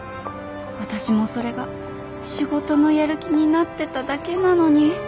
私もそれが仕事のやる気になってただけなのに。